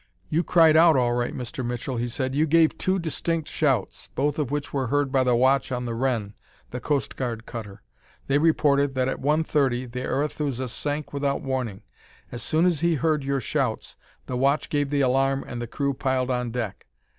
"You cried out all right, Mr. Mitchell," he said. "You gave two distinct shouts, both of which were heard by the watch on the Wren, the Coast Guard cutter. They reported that at 1:30, the Arethusa sank without warning. As soon as he heard your shouts, the watch gave the alarm and the crew piled on deck.